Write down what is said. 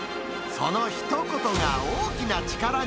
そのひと言が大きな力に。